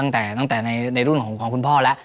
ตั้งแต่ในรุ่นของคุณพ่อแล้ว